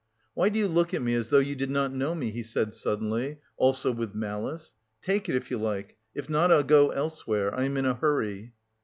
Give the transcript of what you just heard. "Why do you look at me as though you did not know me?" he said suddenly, also with malice. "Take it if you like, if not I'll go elsewhere, I am in a hurry."